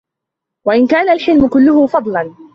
وَإِنْ كَانَ الْحِلْمُ كُلُّهُ فَضْلًا